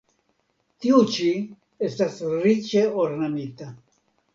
Tiu ĉi estas riĉe ornamita.